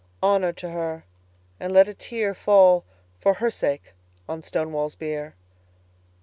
Honor to her! and let a tearFall, for her sake, on Stonewall's bier.